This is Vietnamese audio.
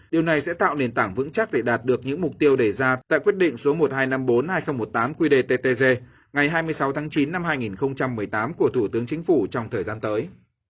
điều này sẽ tạo nền tảng vững chắc để đạt được những mục tiêu đề ra tại quyết định số một nghìn hai trăm năm mươi bốn hai nghìn một mươi tám qdttg ngày hai mươi sáu tháng chín năm hai nghìn một mươi tám của thủ tướng chính phủ trong thời gian tới